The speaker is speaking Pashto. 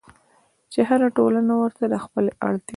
چې هره ټولنه ورته د خپلې اړتيا